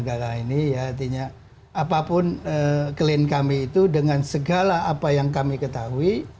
cinta negara ini ya artinya apapun klaim kami itu dengan segala apa yang kami ketahui